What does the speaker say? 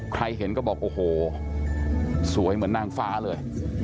ใครเห็นก็บอกโอ้โหสวยเหมือนนางฟ้าเลย